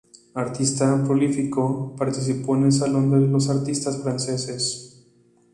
Artista prolífico, participó en el "Salón de los Artistas Franceses".